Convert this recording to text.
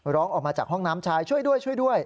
ร้องออกมาจากห้องน้ำชายช่วยด้วยช่วยด้วย